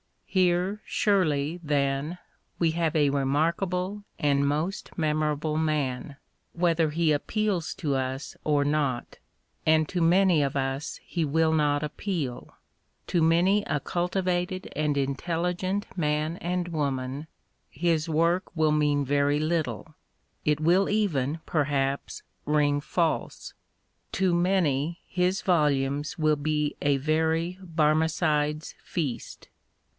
Here, surely, then, we have a remarkable and most memorable man, whether he appeals to us or not — and to many of us he will not appeal : to many a cultivated and intelligent man and woman his work will mean very little, it will even,.perhaps, ring false ; to many his volumes will be a very Barmecide's Feast.